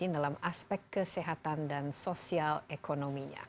dalam aspek kesehatan dan sosial ekonominya